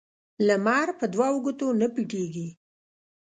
لمر په دو ګوتو نه پټېږي